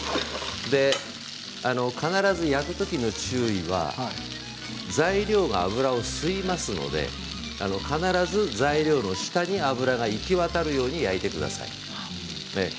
必ず焼くときの注意は材料は油を吸いますので必ず材料の下に油が行き渡るように焼いてください。